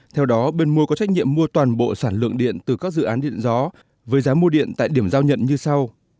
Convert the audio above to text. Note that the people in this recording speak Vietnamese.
theo đó bên mua có trách nhiệm mua toàn bộ sản lượng điện từ các dự án điện gió với giá mua điện tại điểm giao nhận như sau